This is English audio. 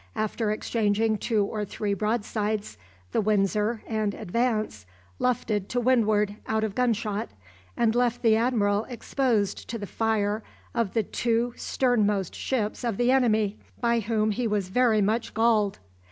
After exchanging two or three broadsides, the "Windsor" and "Advance" luffed to windward out of gunshot, and left the admiral exposed to the fire of the two sternmost ships of the enemy, by whom he was very much galled.